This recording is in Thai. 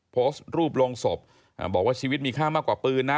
โพสต์รูปลงศพบอกว่าชีวิตมีค่ามากกว่าปืนนะ